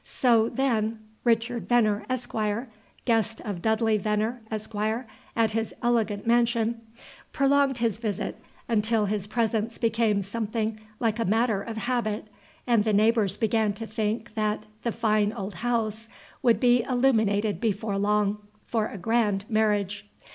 So, then, "Richard Venner, Esquire, guest of Dudley Venner, Esquire, at his elegant mansion," prolonged his visit until his presence became something like a matter of habit, and the neighbors began to think that the fine old house would be illuminated before long for a grand marriage.